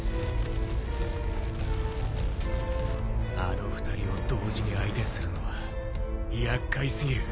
あの２人を同時に相手するのは厄介すぎる。